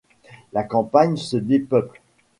La campagne se dépeuple.